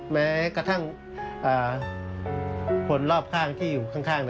แม้กระทั่งคนรอบข้างที่อยู่ข้าง